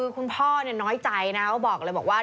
คือคุณพ่อน้อยใจนะเขาบอกเลยว่า